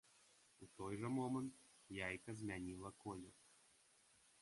У той жа момант яйка змяніла колер.